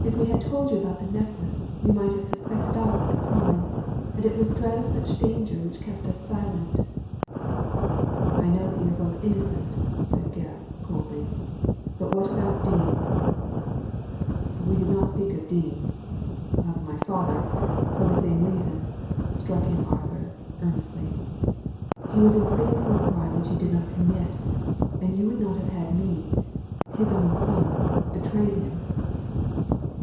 If we had told you about the necklace, you might have suspected us of the crime, and it was dread of such danger which kept us silent" " I know that you are both innocent," said Gebb, coldly. " But about Dean ?" "We did not speak of Dean — of thy father — for the same reason," struck in Arthur, earnestly. " He was imprisoned for a crime which he did not commit, and you would not have had me — his own son betray him."